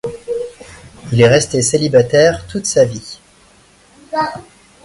Il est resté célibataire toute sa vie.